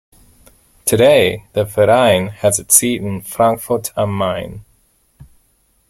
Today, the Verein has its seat in Frankfurt am Main.